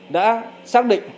đã xác định